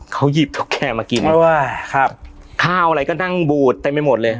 เขาหยิบตุ๊กแกมากินค่ะครับข้าวอะไรก็นั่งบูดแต่ไม่หมดเลย